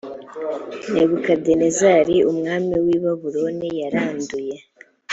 nebukadinezari umwami w’ i babuloni yaranduye .